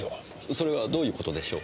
それはどういう事でしょう？